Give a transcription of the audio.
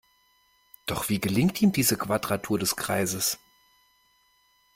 Doch wie gelingt ihm diese Quadratur des Kreises?